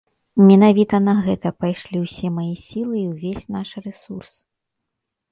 Менавіта на гэта пайшлі ўсе мае сілы і ўвесь наш рэсурс.